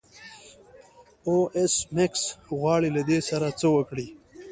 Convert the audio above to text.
او ایس میکس غواړي له دې سره څه وکړي